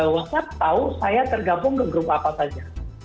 whatsapp tahu saya tergabung ke grup apa saja